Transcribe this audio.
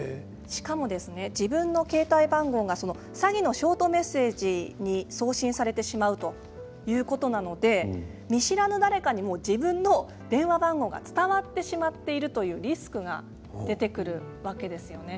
しかも自分の携帯番号が詐欺のショートメッセージに送信されてしまうということなので見知らぬ誰かに自分の電話番号が伝わってしまっているというリスクが出てくるわけですよね。